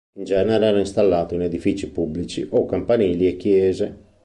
In genere era installato in edifici pubblici o campanili e chiese.